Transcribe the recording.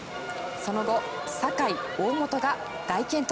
その後、酒井、大本が大健闘。